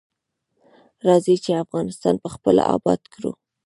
راځی چی افغانستان پخپله اباد کړو.